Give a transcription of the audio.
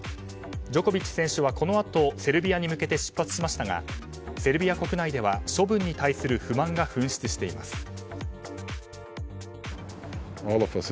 ジョコビッチ選手はこのあとセルビアに向けて出発しましたがセルビア国内では処分に対する不満が噴出しています。